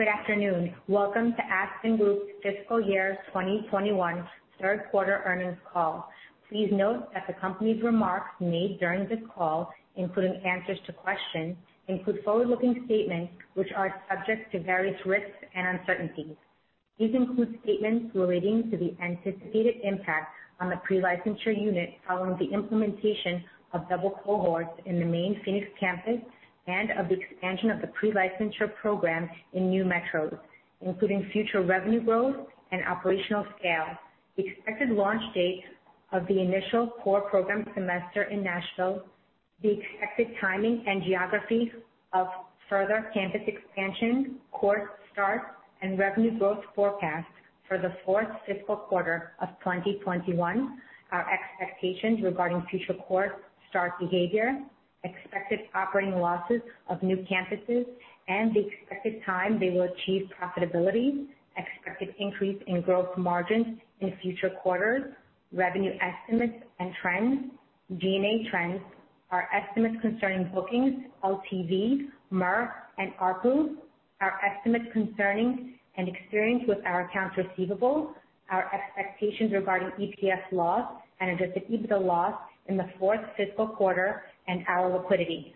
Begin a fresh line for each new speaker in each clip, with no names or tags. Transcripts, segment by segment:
Good afternoon. Welcome to Aspen Group's fiscal year 2021 third quarter earnings call. Please note that the company's remarks made during this call, including answers to questions, include forward-looking statements, which are subject to various risks and uncertainties. These include statements relating to the anticipated impact on the pre-licensure unit following the implementation of double cohorts in the main Phoenix campus and of the expansion of the pre-licensure program in new metros, including future revenue growth and operational scale, the expected launch date of the initial core program semester in Nashville, the expected timing and geography of further campus expansion, course start, and revenue growth forecast for the fourth fiscal quarter of 2021, our expectations regarding future course start behavior, expected operating losses of new campuses and the expected time they will achieve profitability, expected increase in growth margins in future quarters, revenue estimates and trends, D&A trends, our estimates concerning bookings, LTV, MRR and ARPU, our estimates concerning and experience with our accounts receivables, our expectations regarding EPS loss and adjusted EBITDA loss in the fourth fiscal quarter, and our liquidity.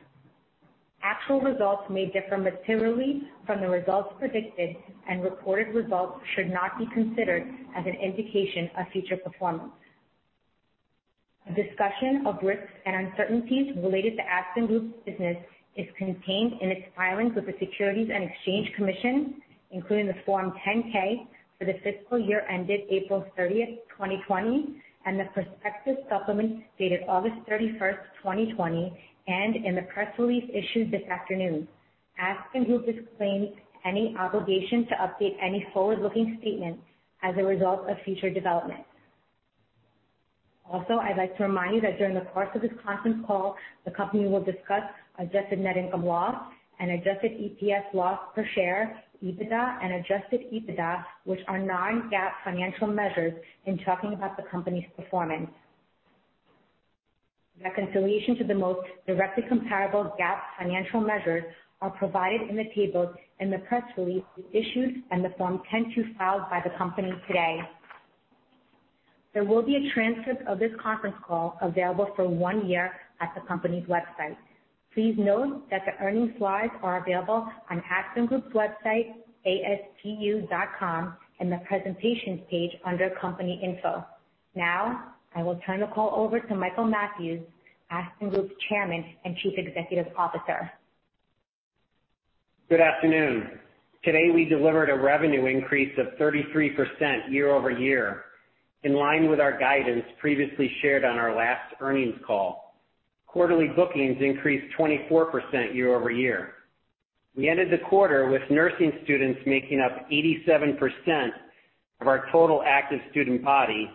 Actual results may differ materially from the results predicted, and reported results should not be considered as an indication of future performance. A discussion of risks and uncertainties related to Aspen Group's business is contained in its filings with the Securities and Exchange Commission, including the Form 10-K for the fiscal year ended April 30th, 2020, and the prospectus supplement dated August 31st, 2020, and in the press release issued this afternoon. Aspen Group disclaims any obligation to update any forward-looking statements as a result of future development. I'd like to remind you that during the course of this conference call, the company will discuss adjusted net income loss and adjusted EPS loss per share, EBITDA and adjusted EBITDA, which are non-GAAP financial measures in talking about the company's performance. Reconciliation to the most directly comparable GAAP financial measures are provided in the tables in the press release we issued and the Form 10-Q filed by the company today. There will be a transcript of this conference call available for one year at the company's website. Please note that the earning slides are available on Aspen Group's website, aspu.com, in the presentations page under company info. Now, I will turn the call over to Michael Mathews, Aspen Group's Chairman and Chief Executive Officer.
Good afternoon. Today, we delivered a revenue increase of 33% year-over-year, in line with our guidance previously shared on our last earnings call. Quarterly bookings increased 24% year-over-year. We ended the quarter with nursing students making up 87% of our total active student body,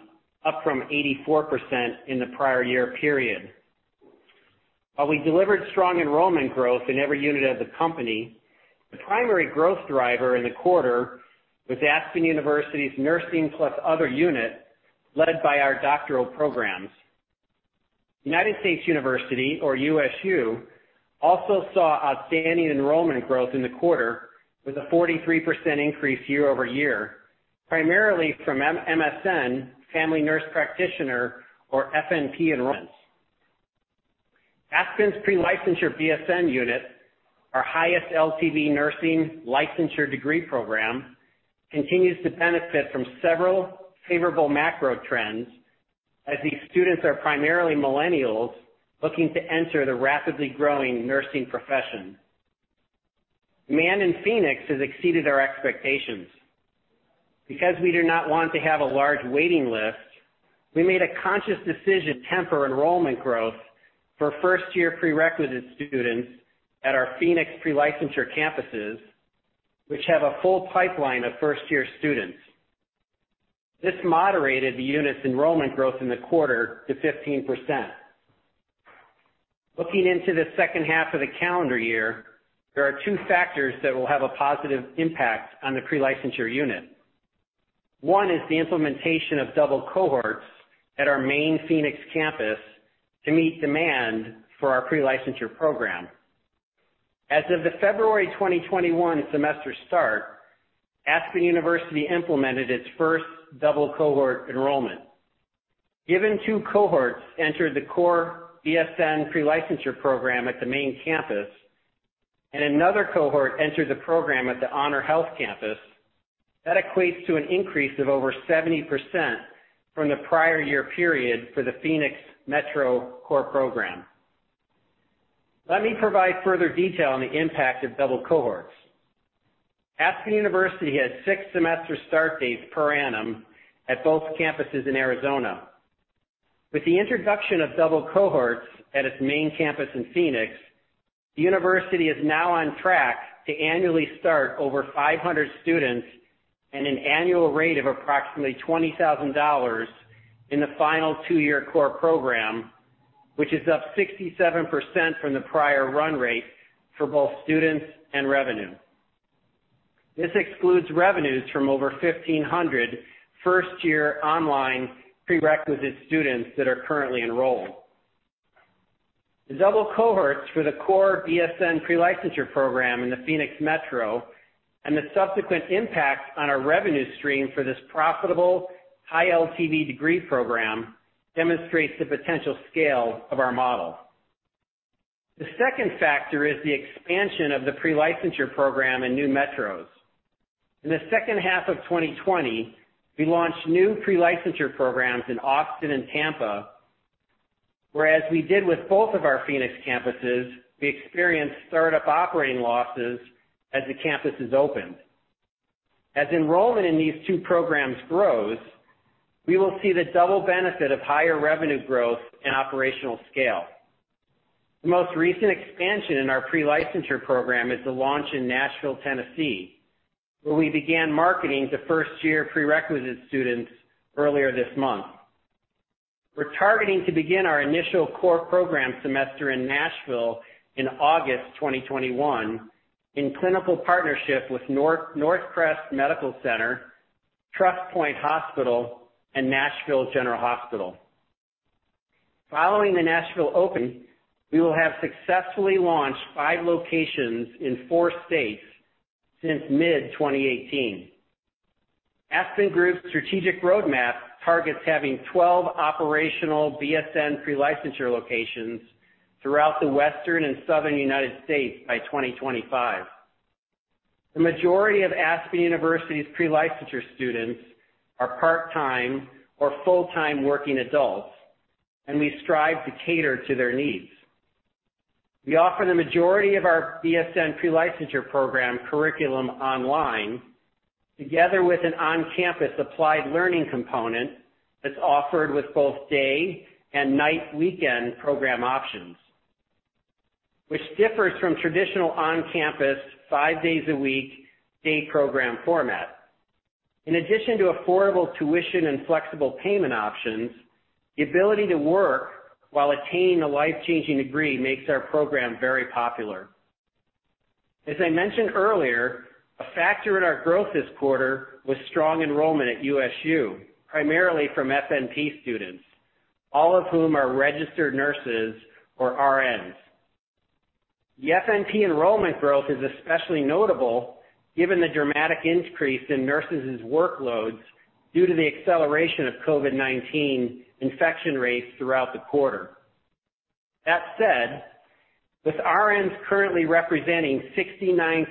up from 84% in the prior year period. While we delivered strong enrollment growth in every unit of the company, the primary growth driver in the quarter was Aspen University's nursing+ other unit, led by our doctoral programs. United States University, or USU, also saw outstanding enrollment growth in the quarter with a 43% increase year-over-year, primarily from MSN, family nurse practitioner, or FNP enrollments. Aspen's pre-licensure BSN unit, our highest LTV nursing licensure degree program, continues to benefit from several favorable macro trends as these students are primarily millennials looking to enter the rapidly growing nursing profession. Demand in Phoenix has exceeded our expectations. Because we do not want to have a large waiting list, we made a conscious decision to temper enrollment growth for first-year prerequisite students at our Phoenix pre-licensure campuses, which have a full pipeline of first-year students. This moderated the unit's enrollment growth in the quarter to 15%. Looking into the second half of the calendar year, there are two factors that will have a positive impact on the pre-licensure unit. One is the implementation of double cohorts at our main Phoenix campus to meet demand for our pre-licensure program. As of the February 2021 semester start, Aspen University implemented its first double cohort enrollment. Given two cohorts entered the core BSN pre-licensure program at the main campus, and another cohort entered the program at the HonorHealth campus, that equates to an increase of over 70% from the prior year period for the Phoenix Metro core program. Let me provide further detail on the impact of double cohorts. Aspen University has six semester start dates per annum at both campuses in Arizona. With the introduction of double cohorts at its main campus in Phoenix, the university is now on track to annually start over 500 students at an annual rate of approximately $20,000 in the final two-year core program, which is up 67% from the prior run rate for both students and revenue. This excludes revenues from over 1,500 first-year online prerequisite students that are currently enrolled. The double cohorts for the core BSN pre-licensure program in the Phoenix Metro and the subsequent impact on our revenue stream for this profitable high LTV degree program demonstrates the potential scale of our model. The second factor is the expansion of the pre-licensure program in new metros. In the second half of 2020, we launched new pre-licensure programs in Austin and Tampa, where as we did with both of our Phoenix campuses, we experienced startup operating losses as the campuses opened. As enrollment in these two programs grows, we will see the double benefit of higher revenue growth and operational scale. The most recent expansion in our pre-licensure program is the launch in Nashville, Tennessee, where we began marketing to first year prerequisite students earlier this month. We're targeting to begin our initial core program semester in Nashville in August 2021 in clinical partnership with NorthCrest Medical Center, TrustPoint Hospital, and Nashville General Hospital. Following the Nashville opening, we will have successfully launched five locations in four states since mid 2018. Aspen Group's strategic roadmap targets having 12 operational BSN pre-licensure locations throughout the Western and Southern United States by 2025. The majority of Aspen University's pre-licensure students are part-time or full-time working adults, and we strive to cater to their needs. We offer the majority of our BSN pre-licensure program curriculum online, together with an on-campus applied learning component that's offered with both day and night weekend program options, which differs from traditional on-campus, five days a week day program format. In addition to affordable tuition and flexible payment options, the ability to work while attaining a life-changing degree makes our program very popular. As I mentioned earlier, a factor in our growth this quarter was strong enrollment at USU, primarily from FNP students, all of whom are registered nurses or RNs. The FNP enrollment growth is especially notable given the dramatic increase in nurses' workloads due to the acceleration of COVID-19 infection rates throughout the quarter. That said, with RNs currently representing 69%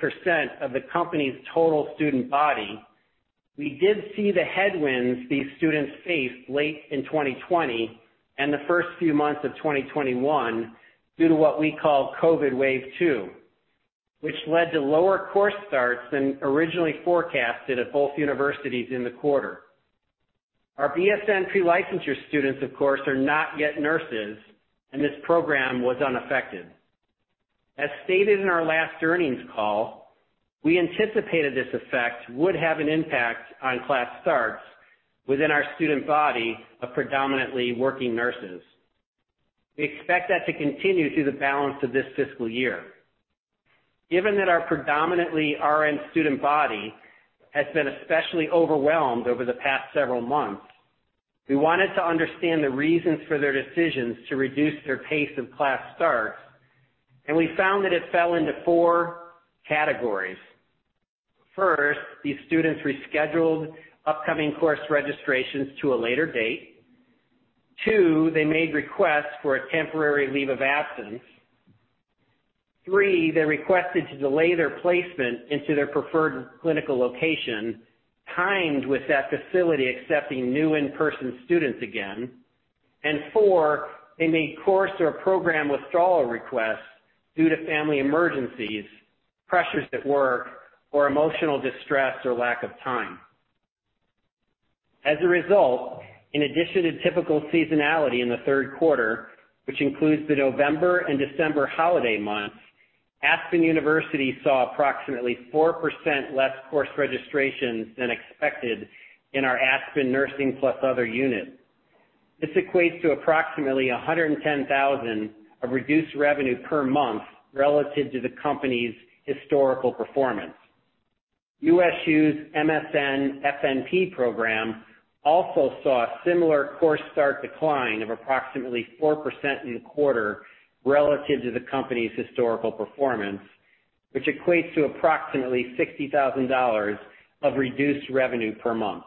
of the company's total student body, we did see the headwinds these students faced late in 2020 and the first few months of 2021 due to what we call COVID wave two, which led to lower course starts than originally forecasted at both universities in the quarter. Our BSN pre-licensure students, of course, are not yet nurses, and this program was unaffected. As stated in our last earnings call, we anticipated this effect would have an impact on class starts within our student body of predominantly working nurses. We expect that to continue through the balance of this fiscal year. Given that our predominantly RN student body has been especially overwhelmed over the past several months, we wanted to understand the reasons for their decisions to reduce their pace of class starts, and we found that it fell into four categories. First, these students rescheduled upcoming course registrations to a later date. Two, they made requests for a temporary leave of absence. Three, they requested to delay their placement into their preferred clinical location, timed with that facility accepting new in-person students again. Four, they made course or program withdrawal requests due to family emergencies, pressures at work, or emotional distress or lack of time. As a result, in addition to typical seasonality in the third quarter, which includes the November and December holiday months, Aspen University saw approximately 4% less course registrations than expected in our Aspen Nursing+ other unit. This equates to approximately $110,000 of reduced revenue per month relative to the company's historical performance. USU's MSN-FNP program also saw a similar course start decline of approximately 4% in the quarter relative to the company's historical performance, which equates to approximately $60,000 of reduced revenue per month.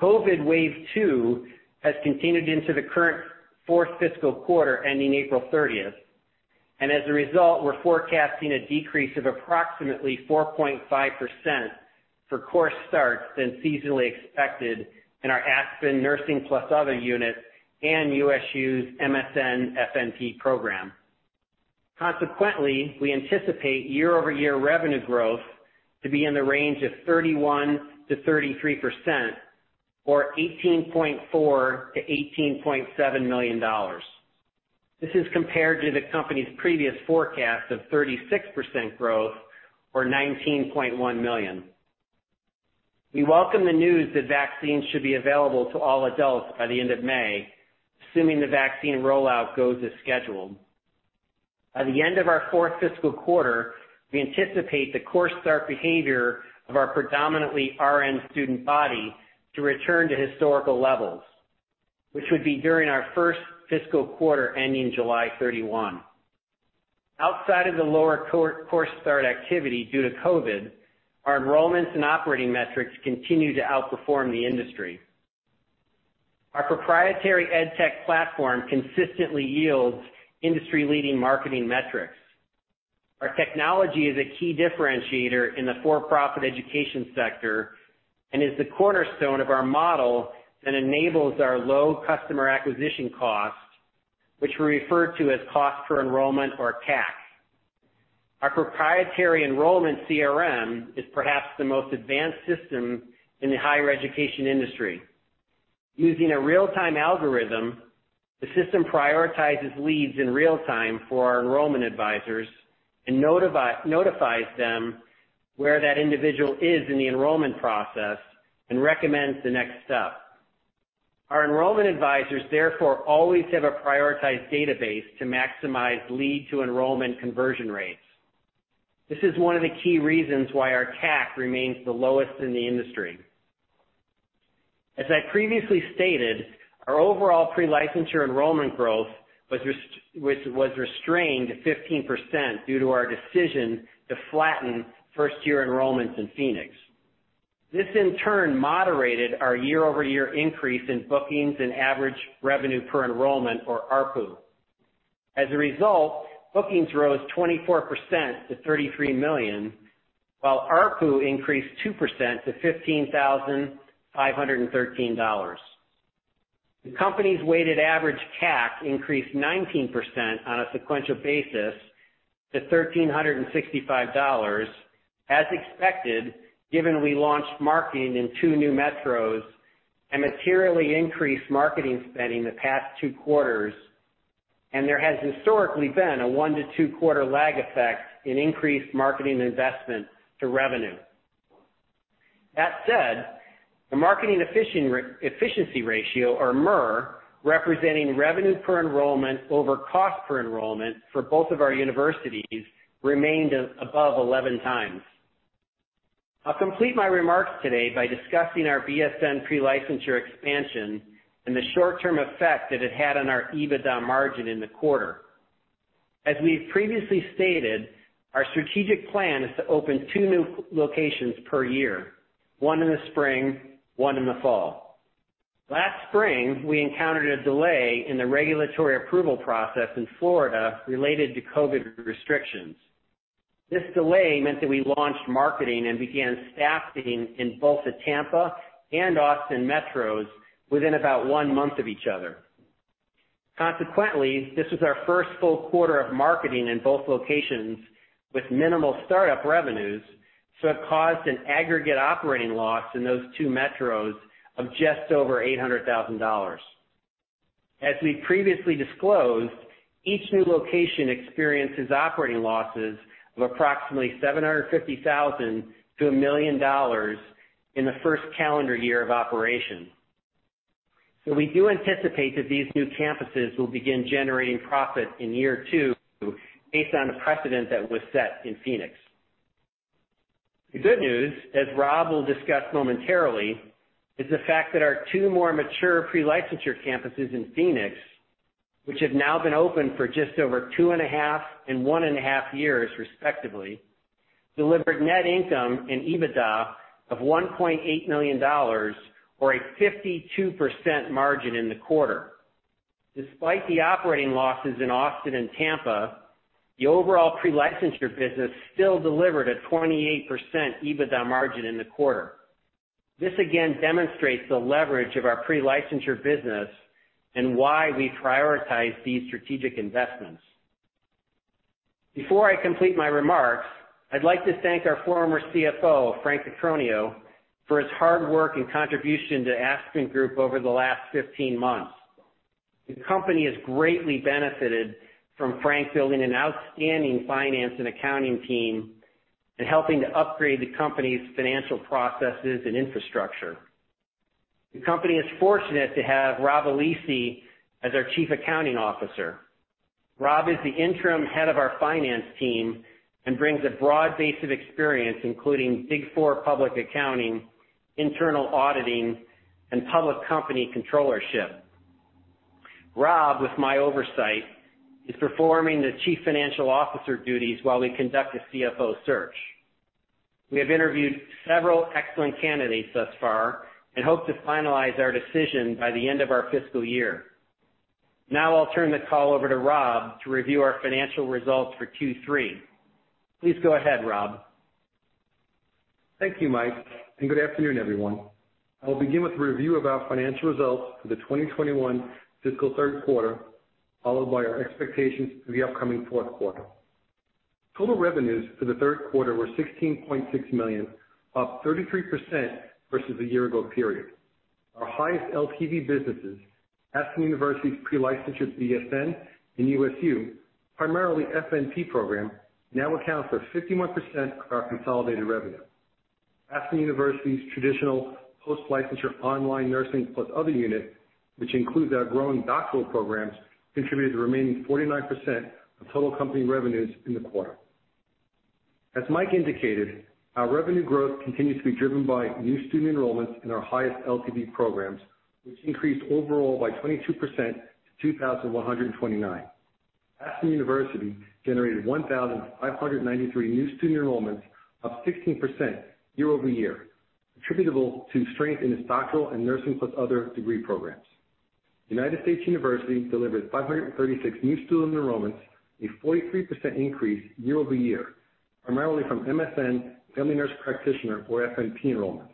COVID wave two has continued into the current fourth fiscal quarter ending April 30th, and as a result, we're forecasting a decrease of approximately 4.5% for course starts than seasonally expected in our Aspen Nursing+ other units and USU's MSN-FNP program. Consequently, we anticipate year-over-year revenue growth to be in the range of 31%-33%, or $18.4 million-$18.7 million. This is compared to the company's previous forecast of 36% growth for $19.1 million. We welcome the news that vaccines should be available to all adults by the end of May, assuming the vaccine rollout goes as scheduled. By the end of our fourth fiscal quarter, we anticipate the course start behavior of our predominantly RN student body to return to historical levels, which would be during our first fiscal quarter ending July 31. Outside of the lower course start activity due to COVID, our enrollments and operating metrics continue to outperform the industry. Our proprietary Edtech platform consistently yields industry-leading marketing metrics. Our technology is a key differentiator in the for-profit education sector and is the cornerstone of our model that enables our low customer acquisition cost, which we refer to as cost per enrollment or CAC. Our proprietary enrollment CRM is perhaps the most advanced system in the higher education industry. Using a real-time algorithm, the system prioritizes leads in real time for our enrollment advisors and notifies them where that individual is in the enrollment process and recommends the next step. Our enrollment advisors, therefore, always have a prioritized database to maximize lead to enrollment conversion rates. This is one of the key reasons why our CAC remains the lowest in the industry. As I previously stated, our overall pre-licensure enrollment growth was restrained 15% due to our decision to flatten first-year enrollments in Phoenix. This in turn moderated our year-over-year increase in bookings and average revenue per enrollment or ARPU. As a result, bookings rose 24% to $33 million, while ARPU increased 2% to $15,513. The company's weighted average CAC increased 19% on a sequential basis to $1,365 as expected, given we launched marketing in two new metros and materially increased marketing spending the past two quarters, there has historically been a one to two quarter lag effect in increased marketing investment to revenue. That said, the marketing efficiency ratio or MER, representing revenue per enrollment over cost per enrollment for both of our universities remained above 11x. I'll complete my remarks today by discussing our BSN pre-licensure expansion and the short-term effect that it had on our EBITDA margin in the quarter. As we've previously stated, our strategic plan is to open two new locations per year, one in the spring, one in the fall. Last spring, we encountered a delay in the regulatory approval process in Florida related to COVID restrictions. This delay meant that we launched marketing and began staffing in both the Tampa and Austin metros within about one month of each other. This was our first full quarter of marketing in both locations with minimal startup revenues, so it caused an aggregate operating loss in those two metros of just over $800,000. As we previously disclosed, each new location experiences operating losses of approximately $750,000-$1 million in the first calendar year of operation. We do anticipate that these new campuses will begin generating profit in year two based on the precedent that was set in Phoenix. The good news, as Rob will discuss momentarily, is the fact that our two more mature pre-licensure campuses in Phoenix, which have now been open for just over 2.5 years and 1.5 years respectively, delivered net income and EBITDA of $1.8 million, or a 52% margin in the quarter. Despite the operating losses in Austin and Tampa, the overall pre-licensure business still delivered a 28% EBITDA margin in the quarter. This again demonstrates the leverage of our pre-licensure business and why we prioritize these strategic investments. Before I complete my remarks, I'd like to thank our former CFO, Frank Cotroneo, for his hard work and contribution to Aspen Group over the last 15 months. The company has greatly benefited from Frank building an outstanding finance and accounting team and helping to upgrade the company's financial processes and infrastructure. The company is fortunate to have Rob Alessi as our Chief Accounting Officer. Rob is the interim head of our finance team and brings a broad base of experience, including Big Four public accounting, internal auditing, and public company controllership. Rob, with my oversight, is performing the Chief Financial Officer duties while we conduct a CFO search. We have interviewed several excellent candidates thus far and hope to finalize our decision by the end of our fiscal year. Now I'll turn the call over to Rob to review our financial results for Q3. Please go ahead, Rob.
Thank you, Mike, and good afternoon, everyone. I will begin with a review of our financial results for the 2021 fiscal third quarter, followed by our expectations for the upcoming fourth quarter. Total revenues for the third quarter were $16.6 million, up 33% versus the year-ago period. Our highest LTV businesses, Aspen University's pre-licensure BSN and USU, primarily FNP program, now accounts for 51% of our consolidated revenue. Aspen University's traditional post-licensure online nursing+ other unit, which includes our growing doctoral programs, contributed the remaining 49% of total company revenues in the quarter. As Mike indicated, our revenue growth continues to be driven by new student enrollments in our highest LTV programs, which increased overall by 22% to 2,129. Aspen University generated 1,593 new student enrollments, up 16% year-over-year, attributable to strength in its doctoral and nursing+ other degree programs. United States University delivered 536 new student enrollments, a 43% increase year-over-year, primarily from MSN, family nurse practitioner, or FNP enrollments.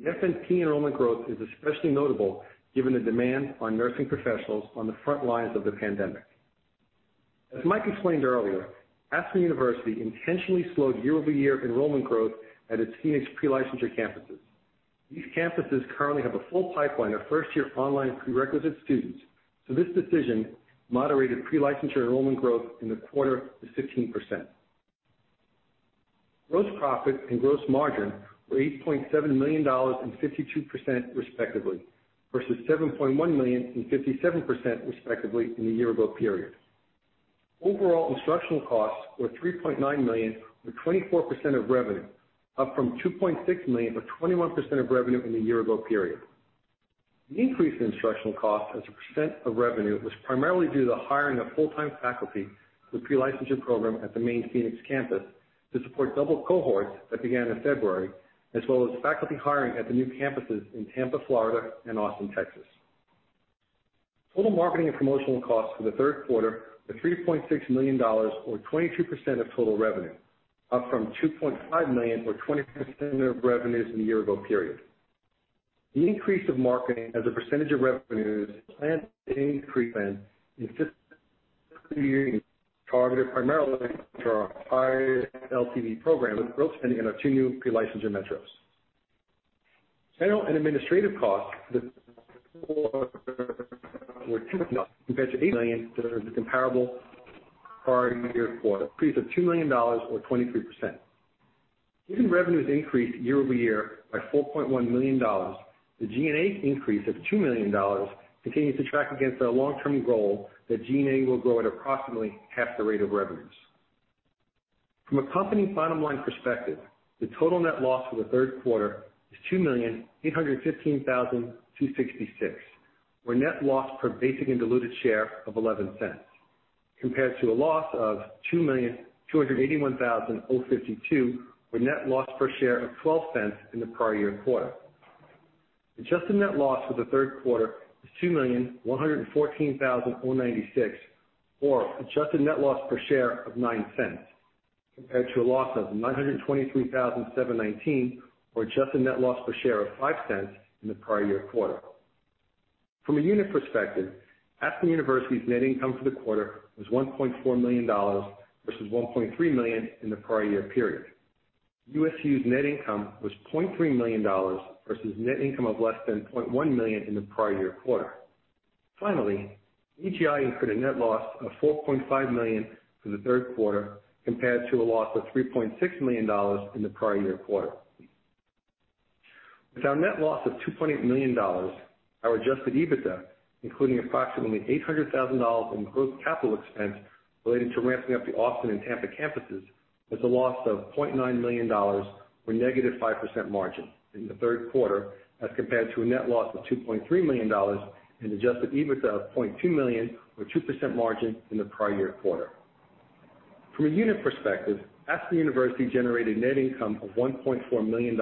The FNP enrollment growth is especially notable given the demand on nursing professionals on the front lines of the pandemic. As Mike explained earlier, Aspen University intentionally slowed year-over-year enrollment growth at its Phoenix pre-licensure campuses. These campuses currently have a full pipeline of first-year online prerequisite students, this decision moderated pre-licensure enrollment growth in the quarter to 16%. Gross profit and gross margin were $8.7 million and 52%, respectively, versus $7.1 million and 57%, respectively, in the year-ago period. Overall instructional costs were $3.9 million, or 24% of revenue, up from $2.6 million or 21% of revenue in the year-ago period. The increase in instructional cost as a percent of revenue was primarily due to the hiring of full-time faculty for the pre-licensure program at the main Phoenix campus to support double cohorts that began in February, as well as faculty hiring at the new campuses in Tampa, Florida, and Austin, Texas. Total marketing and promotional costs for the third quarter were $3.6 million, or 22% of total revenue, up from $2.5 million or 20% of revenues in the year-ago period. The increase of marketing as a percentage of revenues targeted primarily to our higher LTV program with growth spending in our two new pre-licensure metros. General and administrative costs for the quarter were $10.6 Million compared to $8.6 Million for the comparable prior year quarter, an increase of $2 million or 23%. Given revenues increased year-over-year by $4.1 million, the G&A increase of $2 million continues to track against our long-term goal that G&A will grow at approximately half the rate of revenues. From a company bottom line perspective, the total net loss for the third quarter is $2,815,266, or net loss per basic and diluted share of $0.11, compared to a loss of $2,281,052, or net loss per share of $0.12 in the prior year quarter. Adjusted net loss for the third quarter is $2,114,096, or adjusted net loss per share of $0.09, compared to a loss of $923,719, or adjusted net loss per share of $0.05 in the prior year quarter. From a unit perspective, Aspen University's net income for the quarter was $1.4 million versus $1.3 million in the prior year period. USU's net income was $0.3 million versus net income of less than $0.1 million in the prior year quarter. AGI incurred a net loss of $4.5 million for the third quarter compared to a loss of $3.6 million in the prior year quarter. With our net loss of $2.8 million, our adjusted EBITDA, including approximately $800,000 in gross capital expense relating to ramping up the Austin and Tampa campuses, was a loss of $0.9 million or -5% margin in the third quarter as compared to a net loss of $2.3 million in adjusted EBITDA of $0.2 million or 2% margin in the prior year quarter. From a unit perspective, Aspen University generated net income of $1.4 million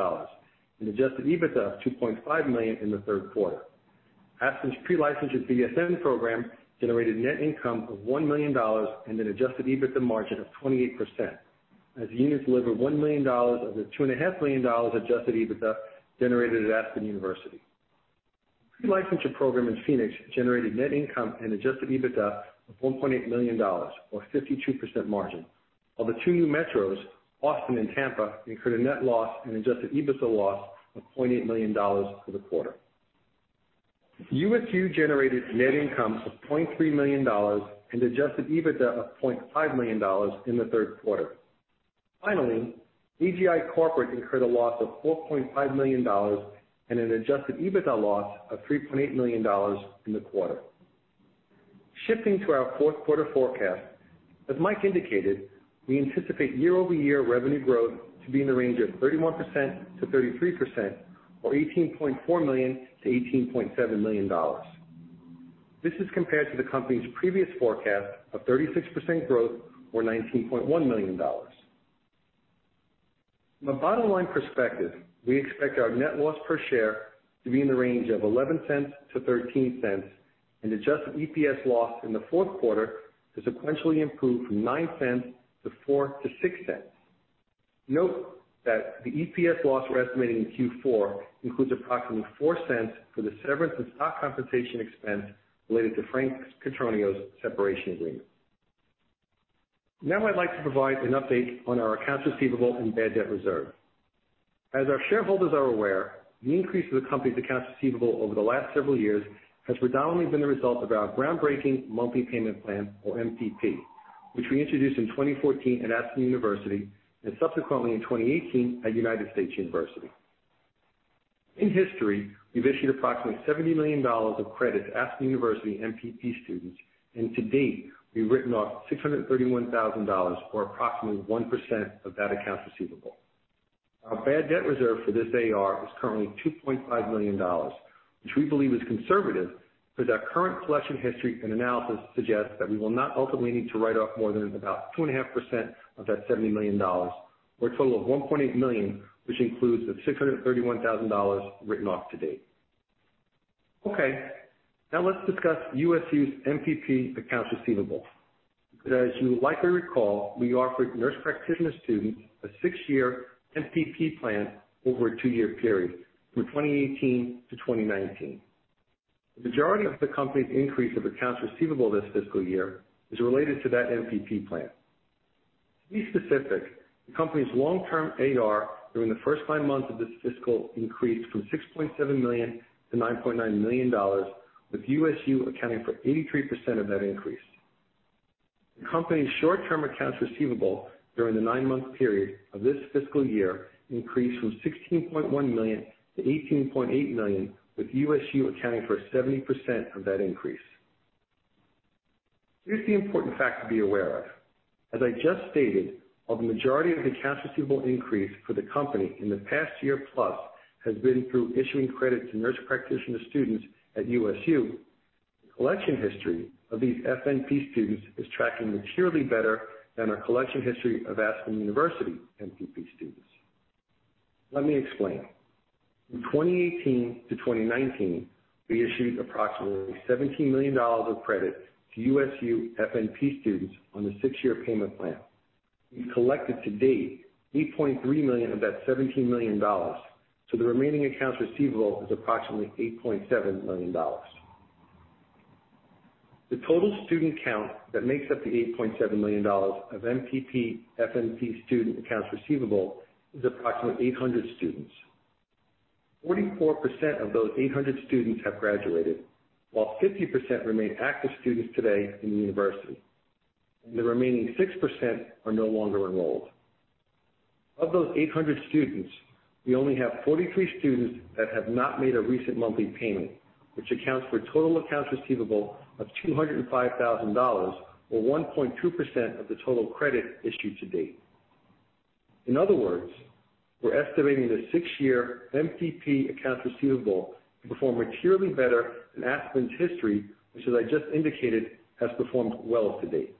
in adjusted EBITDA of $2.5 million in the third quarter. Aspen's pre-licensure BSN program generated net income of $1 million and an adjusted EBITDA margin of 28%, as the unit delivered $1 million of the $2.5 million adjusted EBITDA generated at Aspen University. Pre-licensure program in Phoenix generated net income and adjusted EBITDA of $1.8 million or 52% margin. While the two new metros, Austin and Tampa, incurred a net loss and adjusted EBITDA loss of $0.8 million for the quarter. USU generated net income of $0.3 million and adjusted EBITDA of $0.5 million in the third quarter. Finally, AGI Corporate incurred a loss of $4.5 million and an adjusted EBITDA loss of $3.8 million in the quarter. Shifting to our fourth quarter forecast, as Mike indicated, we anticipate year-over-year revenue growth to be in the range of 31%-33%, or $18.4 million-$18.7 million. This is compared to the company's previous forecast of 36% growth or $19.1 million. From a bottom-line perspective, we expect our net loss per share to be in the range of $0.11-$0.13 and adjusted EPS loss in the fourth quarter to sequentially improve from $0.09 to $0.04-$0.06. Note that the EPS loss we're estimating in Q4 includes approximately $0.04 for the severance and stock compensation expense related to Frank Cotroneo's separation agreement. As our shareholders are aware, the increase of the company's accounts receivable over the last several years has predominantly been the result of our groundbreaking monthly payment plan or MPP. We introduced in 2014 at Aspen University, and subsequently in 2018 at United States University. In history, we've issued approximately $70 million of credit to Aspen University MPP students, and to date, we've written off $631,000, or approximately 1% of that accounts receivable. Our bad debt reserve for this AR is currently $2.5 million, which we believe is conservative because our current collection history and analysis suggests that we will not ultimately need to write off more than about 2.5% of that $70 million, or a total of $1.8 million, which includes the $631,000 written off to date. Okay, now let's discuss USU's MPP accounts receivable. Because as you likely recall, we offered nurse practitioner students a six-year MPP plan over a two-year period from 2018-2019. The majority of the company's increase of accounts receivable this fiscal year is related to that MPP plan. To be specific, the company's long-term AR during the first nine months of this fiscal increased from $6.7 million-$9.9 million, with USU accounting for 83% of that increase. The company's short-term accounts receivable during the nine-month period of this fiscal year increased from $16.1 million-$18.8 million, with USU accounting for 70% of that increase. Here's the important fact to be aware of. As I just stated, while the majority of accounts receivable increase for the company in the past year-plus has been through issuing credit to nurse practitioner students at USU, the collection history of these FNP students is tracking materially better than our collection history of Aspen University MPP students. Let me explain. From 2018-2019, we issued approximately $17 million of credit to USU FNP students on the six-year payment plan. We've collected to date $8.3 million of that $17 million. The remaining accounts receivable is approximately $8.7 million. The total student count that makes up the $8.7 million of MPP FNP student accounts receivable is approximately 800 students. 44% of those 800 students have graduated, while 50% remain active students today in the university. The remaining 6% are no longer enrolled. Of those 800 students, we only have 43 students that have not made a recent monthly payment, which accounts for total accounts receivable of $205,000, or 1.2% of the total credit issued to date. In other words, we're estimating the six-year MPP accounts receivable to perform materially better than Aspen's history, which, as I just indicated, has performed well to date.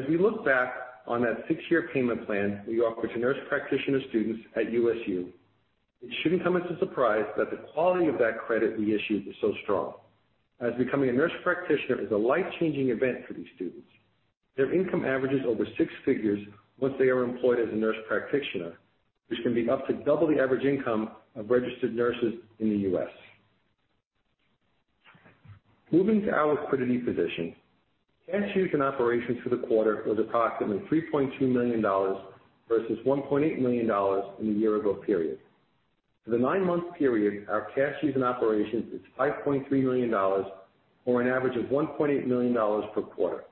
As we look back on that six-year payment plan we offered to nurse practitioner students at USU, it shouldn't come as a surprise that the quality of that credit we issued is so strong, as becoming a nurse practitioner is a life-changing event for these students. Their income averages over six figures once they are employed as a nurse practitioner, which can be up to double the average income of registered nurses in the U.S. Moving to our liquidity position. Cash used in operations for the quarter was approximately $3.2 million versus $1.8 million in the year-ago period. For the nine-month period, our cash used in operations is $5.3 million, or an average of $1.8 million per quarter.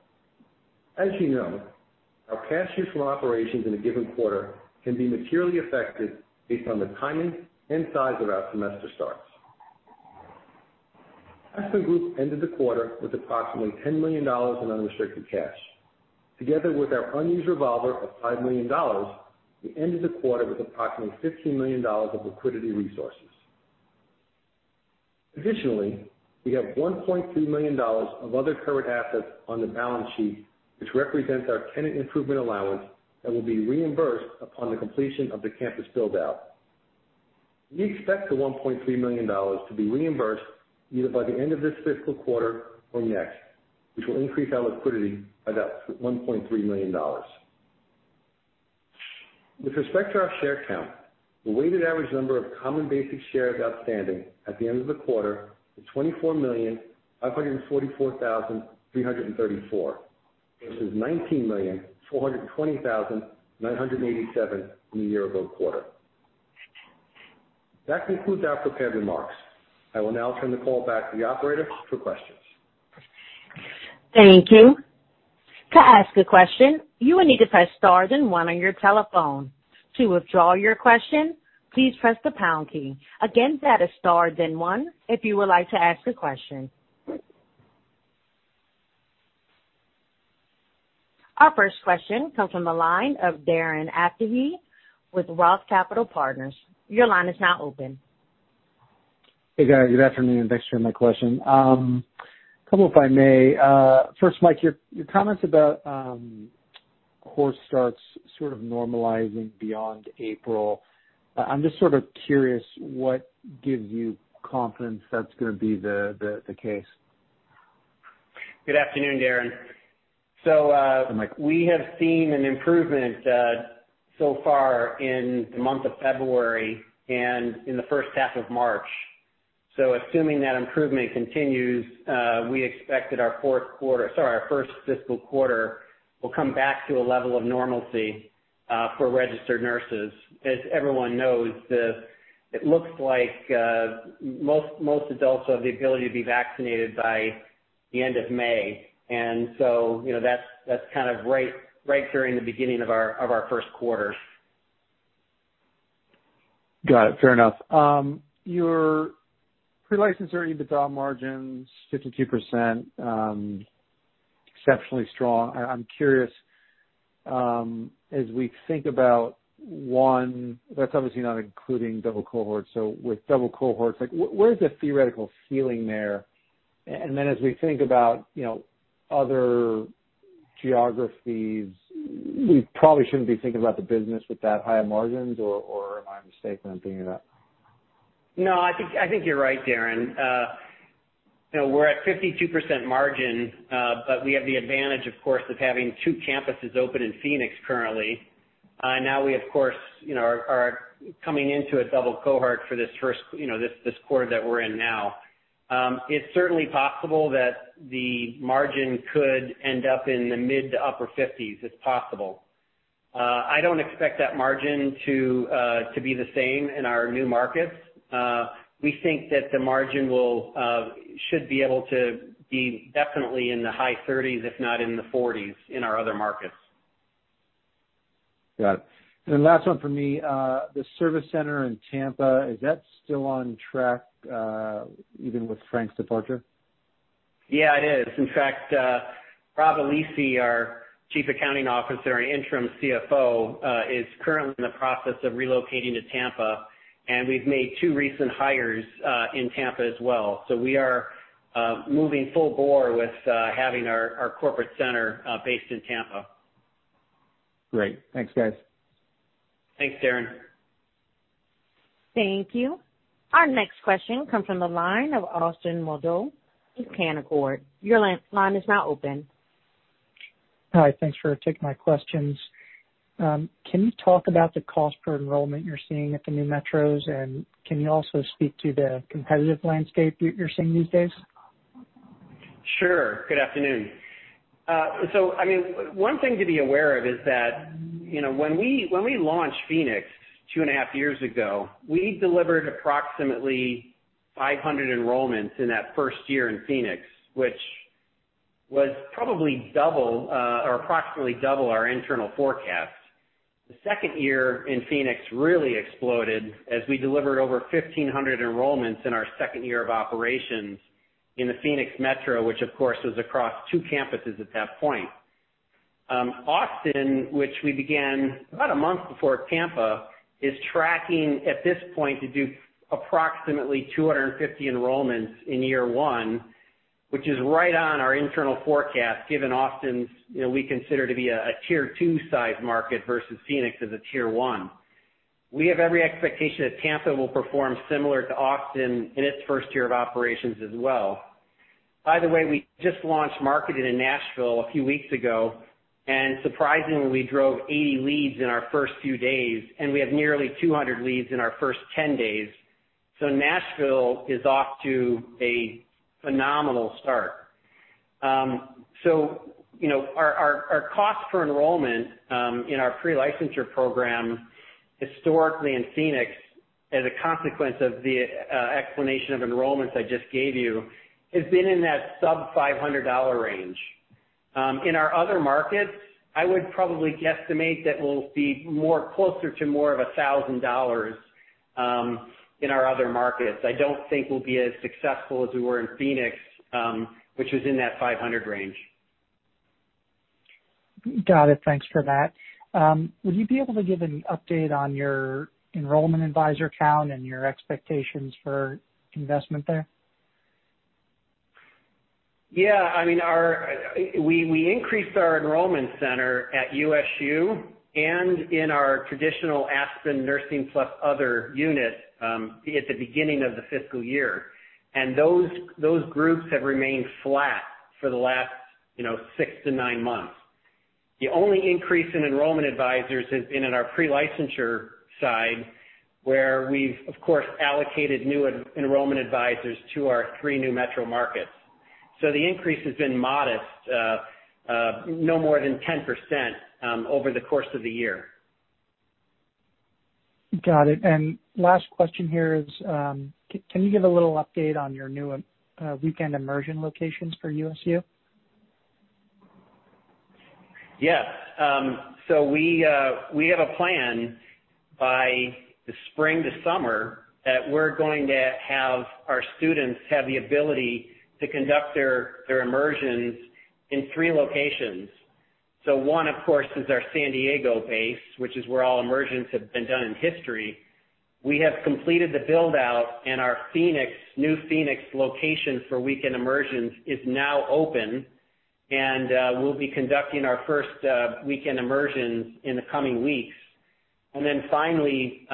As you know, our cash used from operations in a given quarter can be materially affected based on the timing and size of our semester starts. Aspen Group ended the quarter with approximately $10 million in unrestricted cash. Together with our unused revolver of $5 million, we ended the quarter with approximately $15 million of liquidity resources. Additionally, we have $1.3 million of other current assets on the balance sheet, which represents our tenant improvement allowance that will be reimbursed upon the completion of the campus build-out. We expect the $1.3 million to be reimbursed either by the end of this fiscal quarter or next, which will increase our liquidity by that $1.3 million. With respect to our share count, the weighted average number of common basic shares outstanding at the end of the quarter was 24,544,334, versus 19,420,987 in the year-ago quarter. That concludes our prepared remarks. I will now turn the call back to the operator for questions.
Thank you. To ask a question, you will need to press star then one on your telephone. To withdraw your question, please press the pound key. Again, that is star then one if you would like to ask a question. Our first question comes from the line of Darren Aftahi with ROTH Capital Partners. Your line is now open.
Hey, guys. Good afternoon, and thanks for my question. Couple if I may. First, Mike, your comments about course starts sort of normalizing beyond April. I'm just sort of curious what gives you confidence that's going to be the case?
Good afternoon, Darren.
Hi, Mike.
We have seen an improvement so far in the month of February and in the first half of March. Assuming that improvement continues, we expect that our fourth quarter-- sorry, our first fiscal quarter will come back to a level of normalcy. For registered nurses. As everyone knows, it looks like most adults will have the ability to be vaccinated by the end of May. That's right during the beginning of our first quarter.
Got it. Fair enough. Your pre-licensure EBITDA margin's 52%, exceptionally strong. I'm curious, as we think about one, that's obviously not including double cohort. With double cohorts, where's the theoretical ceiling there? Then as we think about other geographies, we probably shouldn't be thinking about the business with that high of margins, or am I mistaken in thinking that?
I think you're right, Darren. We're at 52% margin, but we have the advantage, of course, of having two campuses open in Phoenix currently. We, of course, are coming into a double cohort for this quarter that we're in now. It's certainly possible that the margin could end up in the mid to upper 50s. It's possible. I don't expect that margin to be the same in our new markets. We think that the margin should be able to be definitely in the high 30s, if not in the 40s, in our other markets.
Got it. Last one from me, the service center in Tampa, is that still on track, even with Frank's departure?
Yeah, it is. In fact, Rob Alessi, our Chief Accounting Officer and interim CFO, is currently in the process of relocating to Tampa, and we've made two recent hires in Tampa as well. We are moving full bore with having our corporate center based in Tampa.
Great. Thanks, guys.
Thanks, Darren.
Thank you. Our next question comes from the line of Austin Moldow with Canaccord. Your line is now open.
Hi. Thanks for taking my questions. Can you talk about the cost per enrollment you're seeing at the new metros, and can you also speak to the competitive landscape you're seeing these days?
Sure. Good afternoon. One thing to be aware of is that when we launched Phoenix 2.5 years ago, we delivered approximately 500 enrollments in that first year in Phoenix, which was probably double, or approximately double our internal forecast. The second year in Phoenix really exploded as we delivered over 1,500 enrollments in our second year of operations in the Phoenix metro, which of course was across two campuses at that point. Austin, which we began about a month before Tampa, is tracking at this point to do approximately 250 enrollments in year one, which is right on our internal forecast given Austin's, we consider to be a Tier 2 size market versus Phoenix as a Tier 1. We have every expectation that Tampa will perform similar to Austin in its first year of operations as well. By the way, we just launched marketing in Nashville a few weeks ago, and surprisingly drove 80 leads in our first few days, and we have nearly 200 leads in our first 10 days. Nashville is off to a phenomenal start. Our cost for enrollment in our pre-licensure program historically in Phoenix, as a consequence of the explanation of enrollments I just gave you, has been in that sub-$500 range. In our other markets, I would probably guesstimate that we'll be closer to more of $1,000 in our other markets. I don't think we'll be as successful as we were in Phoenix, which was in that $500 range.
Got it. Thanks for that. Would you be able to give an update on your enrollment advisor count and your expectations for investment there?
Yeah, we increased our enrollment center at USU and in our traditional Aspen Nursing+ other unit at the beginning of the fiscal year. Those groups have remained flat for the last six to nine months. The only increase in enrollment advisors has been in our pre-licensure side, where we've, of course, allocated new enrollment advisors to our three new metro markets. The increase has been modest, no more than 10% over the course of the year.
Got it. Last question here is, can you give a little update on your new weekend immersion locations for USU?
Yes. We have a plan by the spring to summer that we're going to have our students have the ability to conduct their immersions in three locations. One, of course, is our San Diego base, which is where all immersions have been done in history. We have completed the build-out and our new Phoenix location for weekend immersions is now open, and we'll be conducting our first weekend immersions in the coming weeks. Finally,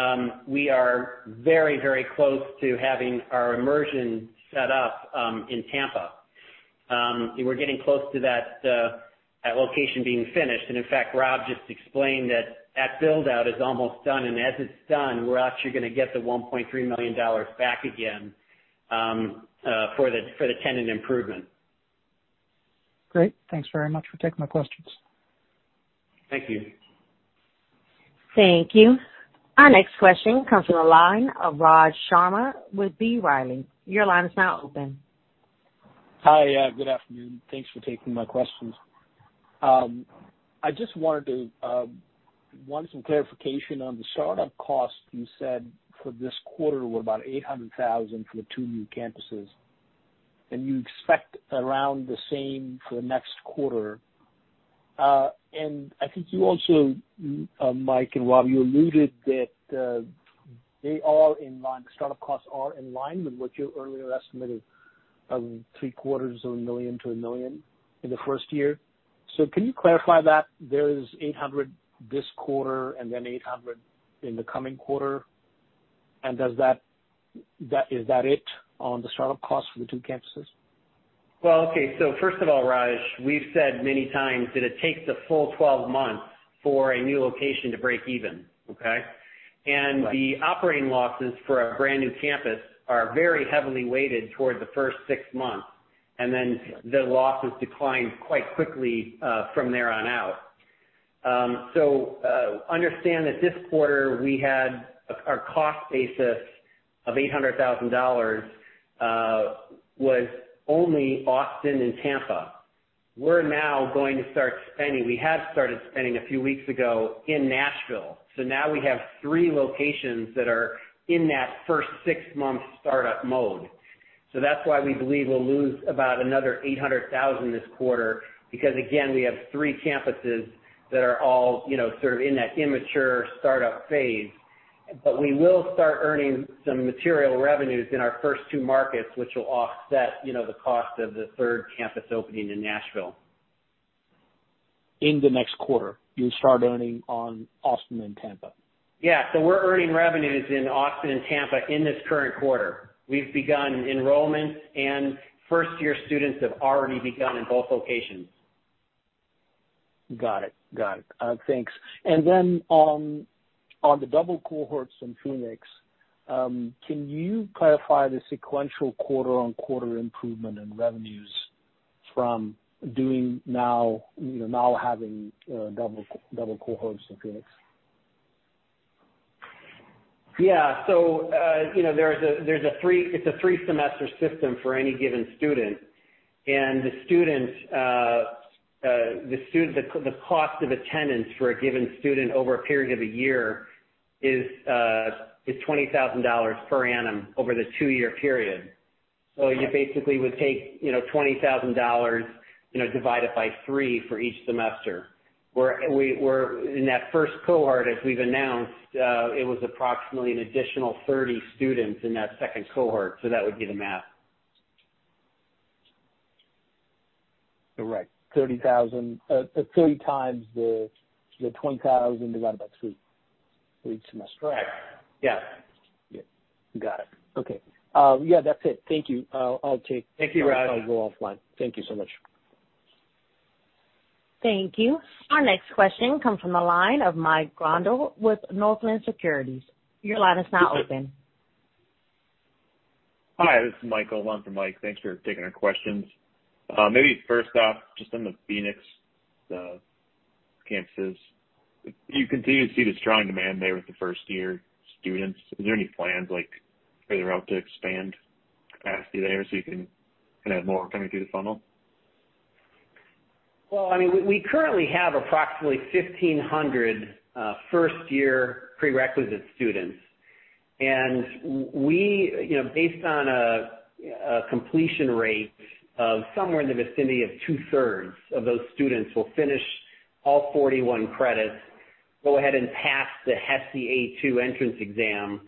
we are very close to having our immersion set up in Tampa. We're getting close to that location being finished. In fact, Rob just explained that that build-out is almost done. As it's done, we're actually going to get the $1.3 million back again for the tenant improvement.
Great. Thanks very much for taking my questions.
Thank you.
Thank you. Our next question comes from the line of Raj Sharma with B. Riley. Your line is now open.
Hi. Good afternoon. Thanks for taking my questions. I just wanted some clarification on the startup costs you said for this quarter were about $800,000 for the two new campuses. You expect around the same for the next quarter. I think you also, Mike and Rob, you alluded that they are in line, startup costs are in line with what you earlier estimated, three quarters of a million to $1 million in the first year. Can you clarify that there is $800,000 this quarter, then $800,000 in the coming quarter? Is that it on the startup cost for the two campuses?
Well, okay. First of all, Raj, we've said many times that it takes a full 12 months for a new location to break even. Okay?
Right.
The operating losses for a brand new campus are very heavily weighted toward the first six months, then the losses decline quite quickly, from there on out. Understand that this quarter we had our cost basis of $800,000, was only Austin and Tampa. We're now going to start spending. We have started spending a few weeks ago in Nashville. Now we have three locations that are in that first six months startup mode. That's why we believe we'll lose about another $800,000 this quarter because, again, we have three campuses that are all sort of in that immature startup phase. We will start earning some material revenues in our first two markets, which will offset the cost of the third campus opening in Nashville.
In the next quarter, you'll start earning on Austin and Tampa.
Yeah. We're earning revenues in Austin and Tampa in this current quarter. We've begun enrollment, and first-year students have already begun in both locations.
Got it. Thanks. Then, on the double cohorts in Phoenix, can you clarify the sequential quarter-on-quarter improvement in revenues from now having double cohorts in Phoenix?
Yeah. It's a three-semester system for any given student. The cost of attendance for a given student over a period of a year is $20,000 per annum over the two-year period. You basically would take $20,000, divide it by three for each semester, where in that first cohort, as we've announced, it was approximately an additional 30 students in that second cohort. That would be the math.
Correct. 30x the $20,000 divided by three for each semester.
Yeah.
Got it. Okay. Yeah, that's it. Thank you.
Thank you, Raj.
I'll go offline. Thank you so much.
Thank you. Our next question comes from the line of Mike Grondahl with Northland Securities. Your line is now open.
Hi, this is Michael, on for Mike. Thanks for taking our questions. Maybe first off, just on the Phoenix campuses. You continue to see the strong demand there with the first-year students. Is there any plans further out to expand capacity there so you can have more coming through the funnel?
Well, we currently have approximately 1,500 first-year prerequisite students. Based on a completion rate of somewhere in the vicinity of 2/3 of those students will finish all 41 credits, go ahead and pass the HESI A2 entrance exam.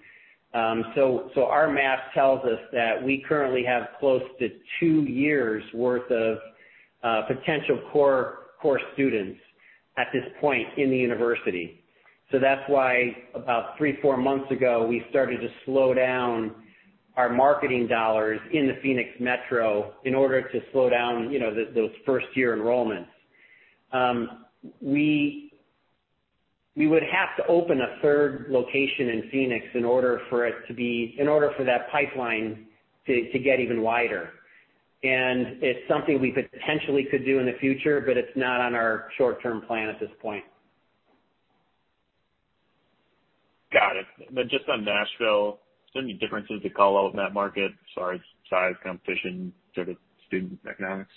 Our math tells us that we currently have close to two years worth of potential core course students at this point in the university. That's why about three, four months ago, we started to slow down our marketing dollars in the Phoenix Metro in order to slow down those first-year enrollments. We would have to open a third location in Phoenix in order for that pipeline to get even wider. It's something we potentially could do in the future, but it's not on our short-term plan at this point.
Got it. Just on Nashville, is there any differences you call out in that market as far as size, competition, sort of student dynamics?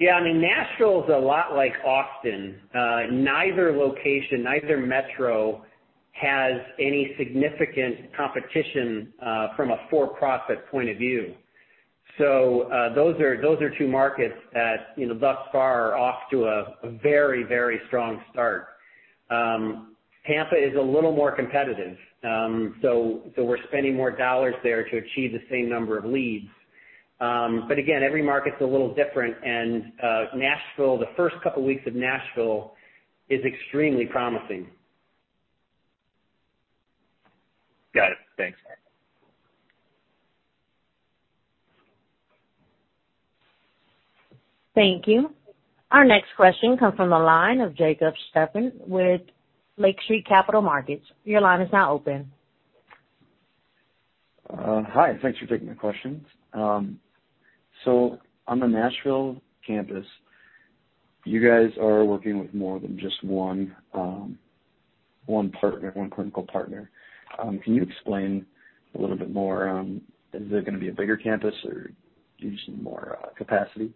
Yeah, Nashville is a lot like Austin. Neither location, neither metro has any significant competition, from a for-profit point of view. Those are two markets that thus far are off to a very strong start. Tampa is a little more competitive. We're spending more dollars there to achieve the same number of leads. Again, every market's a little different. The first couple of weeks of Nashville is extremely promising.
Got it. Thanks.
Thank you. Our next question comes from the line of Jacob Stephan with Lake Street Capital Markets. Your line is now open.
Hi, thanks for taking my questions. On the Nashville campus, you guys are working with more than just one partner, one clinical partner. Can you explain a little bit more? Is it going to be a bigger campus, or do you need some more capacity?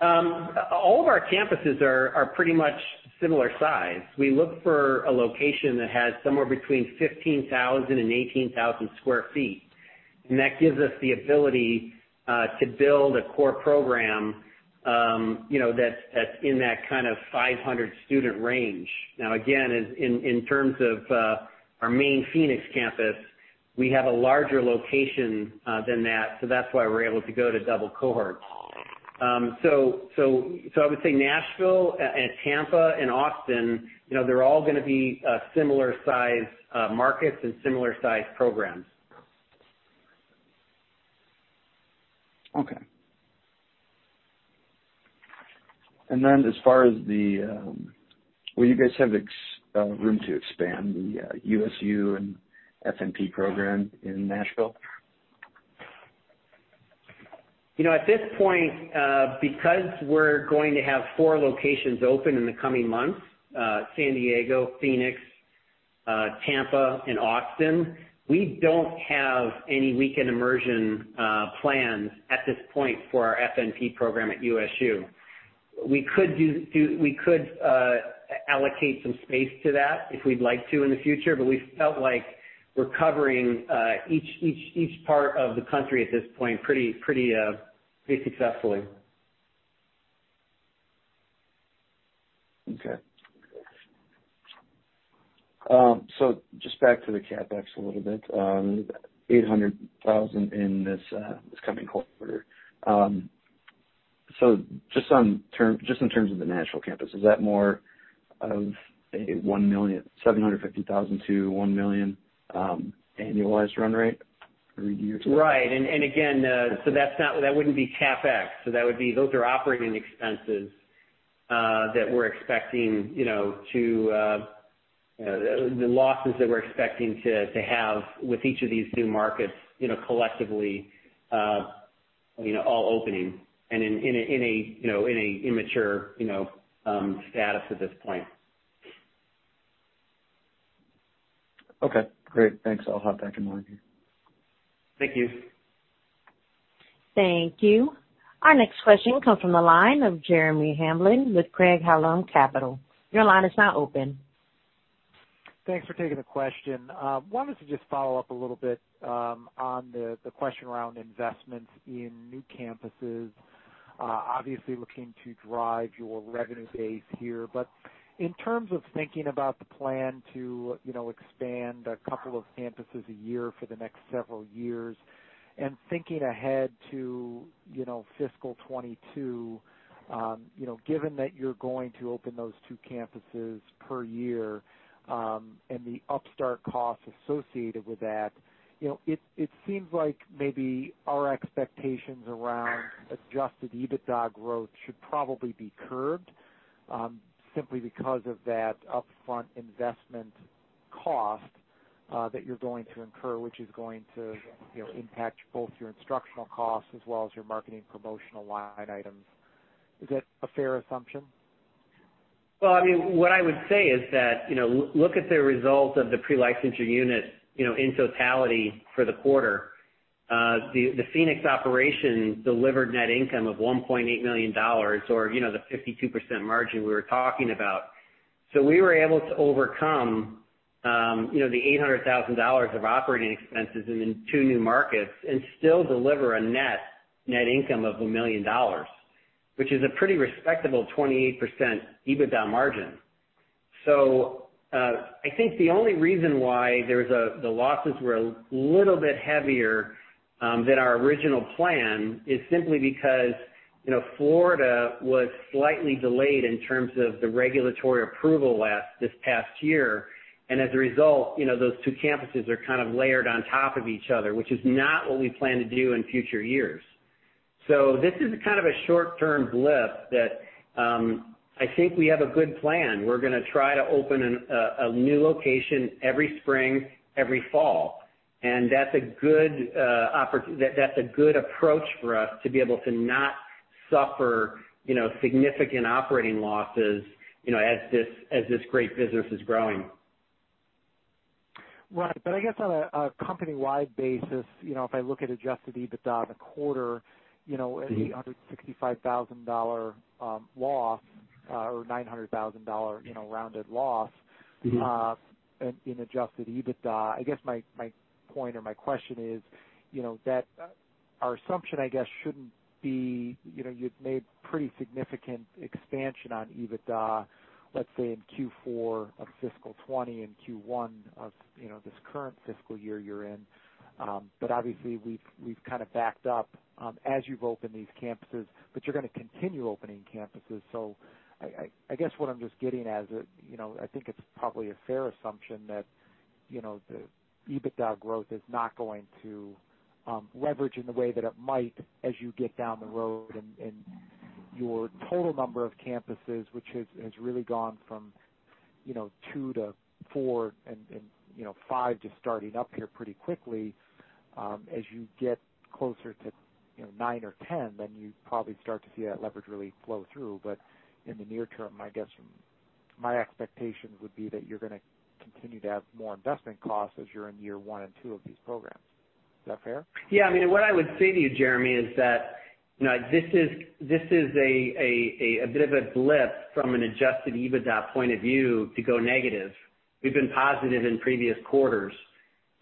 All of our campuses are pretty much similar size. We look for a location that has somewhere between 15,000 sq ft and 18,000 sq ft, and that gives us the ability to build a core program that's in that 500-student range. Again, in terms of our main Phoenix campus, we have a larger location than that, so that's why we're able to go to double cohort. I would say Nashville and Tampa and Austin, they're all going to be similar size markets and similar size programs.
Okay. As far as the, will you guys have room to expand the USU and FNP program in Nashville?
At this point, because we're going to have four locations open in the coming months, San Diego, Phoenix, Tampa, and Austin, we don't have any weekend immersion plans at this point for our FNP program at USU. We could allocate some space to that if we'd like to in the future, but we felt like we're covering each part of the country at this point pretty successfully.
Okay. Just back to the CapEx a little bit. $800,000 in this coming quarter. Just in terms of the Nashville campus, is that more of a $750,000-$1 million annualized run rate?
Right. Again, that wouldn't be CapEx. Those are operating expenses that we're expecting, the losses that we're expecting to have with each of these new markets, collectively, all opening and in a immature status at this point.
Okay, great. Thanks. I'll hop back in line here.
Thank you.
Thank you. Our next question comes from the line of Jeremy Hamblin with Craig-Hallum Capital. Your line is now open.
Thanks for taking the question. Wanted to just follow up a little bit on the question around investments in new campuses. Obviously looking to drive your revenue base here. In terms of thinking about the plan to expand a couple of campuses a year for the next several years and thinking ahead to fiscal 2022, given that you're going to open those two campuses per year, and the upstart costs associated with that, it seems like maybe our expectations around adjusted EBITDA growth should probably be curbed, simply because of that upfront investment cost that you're going to incur, which is going to impact both your instructional costs as well as your marketing promotional line items. Is that a fair assumption?
What I would say is that, look at the results of the pre-licensure unit, in totality for the quarter. The Phoenix operation delivered net income of $1.8 million or the 52% margin we were talking about. We were able to overcome the $800,000 of operating expenses in the two new markets and still deliver a net income of $1 million, which is a pretty respectable 28% EBITDA margin. I think the only reason why the losses were a little bit heavier than our original plan is simply because Florida was slightly delayed in terms of the regulatory approval this past year. As a result, those two campuses are kind of layered on top of each other, which is not what we plan to do in future years. This is a short-term blip that I think we have a good plan. We're gonna try to open a new location every spring, every fall. That's a good approach for us to be able to not suffer significant operating losses as this great business is growing.
Right. I guess on a company-wide basis, if I look at adjusted EBITDA the quarter, an $865,000 loss, or a $900,000 rounded loss. in adjusted EBITDA. I guess my point or my question is that our assumption, I guess, shouldn't be you'd made pretty significant expansion on EBITDA, let's say in Q4 of FY 2020 and Q1 of this current fiscal year you're in. Obviously we've kind of backed up, as you've opened these campuses, but you're going to continue opening campuses. I guess what I'm just getting at is, I think it's probably a fair assumption that the EBITDA growth is not going to leverage in the way that it might as you get down the road and your total number of campuses, which has really gone from two to four, and five just starting up here pretty quickly. As you get closer to nine or 10, then you probably start to see that leverage really flow through. In the near-term, I guess my expectations would be that you're going to continue to have more investment costs as you're in year one and year two of these programs. Is that fair?
What I would say to you, Jeremy, is that this is a bit of a blip from an adjusted EBITDA point of view to go negative. We've been positive in previous quarters.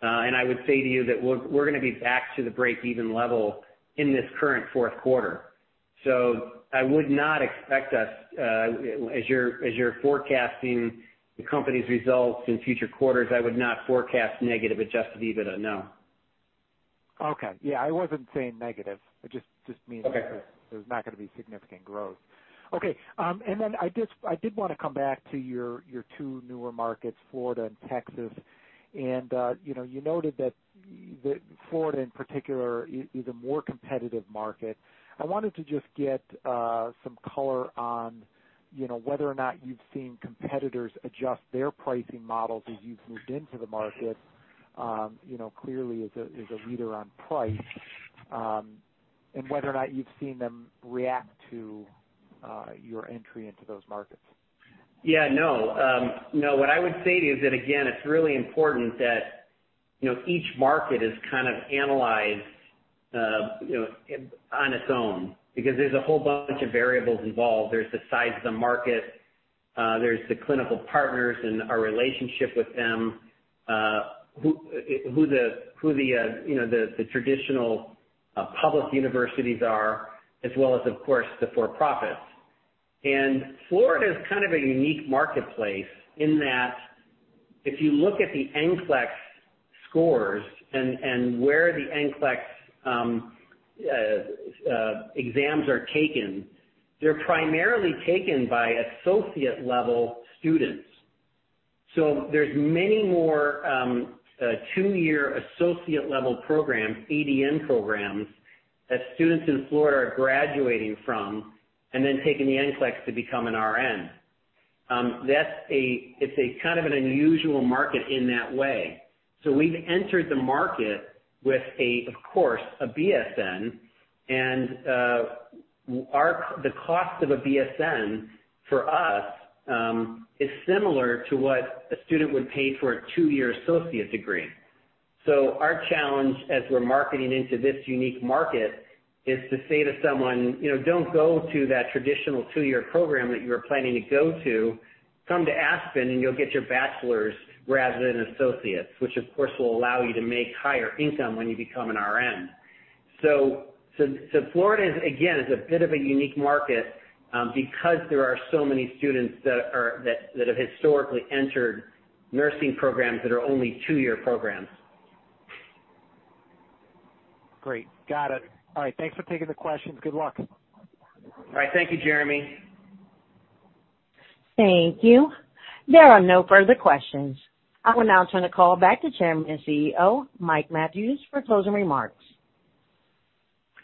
I would say to you that we're going to be back to the break-even level in this current fourth quarter. I would not expect us, as you're forecasting the company's results in future quarters, I would not forecast negative adjusted EBITDA, no.
Okay. Yeah, I wasn't saying negative.
Okay.
There's not going to be significant growth. Okay. I did want to come back to your two newer markets, Florida and Texas. You noted that Florida in particular is a more competitive market. I wanted to just get some color on whether or not you've seen competitors adjust their pricing models as you've moved into the market. Clearly, as a leader on price, whether or not you've seen them react to your entry into those markets.
Yeah, no. What I would say to you is that, again, it's really important that each market is kind of analyzed on its own because there's a whole bunch of variables involved. There's the size of the market, there's the clinical partners and our relationship with them, who the traditional public universities are, as well as, of course, the for-profits. Florida is kind of a unique marketplace in that if you look at the NCLEX scores and where the NCLEX exams are taken, they're primarily taken by associate-level students. There's many more two-year associate-level programs, ADN programs, that students in Florida are graduating from and then taking the NCLEX to become an RN. It's a kind of an unusual market in that way. We've entered the market with, of course, a BSN, and the cost of a BSN for us is similar to what a student would pay for a two-year associate degree. Our challenge as we're marketing into this unique market is to say to someone, "Don't go to that traditional two-year program that you were planning to go to. Come to Aspen, and you'll get your bachelor's rather than associate's, which of course, will allow you to make higher income when you become an RN." Florida, again, is a bit of a unique market because there are so many students that have historically entered nursing programs that are only two-year programs.
Great. Got it. All right. Thanks for taking the questions. Good luck.
All right. Thank you, Jeremy.
Thank you. There are no further questions. I will now turn the call back to Chairman and CEO, Michael Mathews, for closing remarks.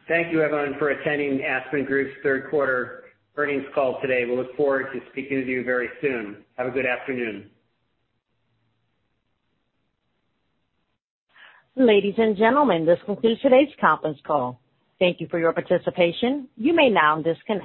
Thank you, everyone, for attending Aspen Group's third quarter earnings call today. We look forward to speaking with you very soon. Have a good afternoon.
Ladies and gentlemen, this concludes today's conference call. Thank you for your participation. You may now disconnect.